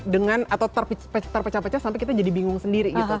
dengan atau terpecah pecah sampai kita jadi bingung sendiri gitu